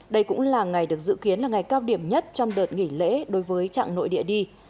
đây cũng là ngày được dự kiến là ngày cao điểm nhất trong đợt nghỉ lễ đối với trạng nội địa đi